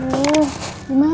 aduh gimana ya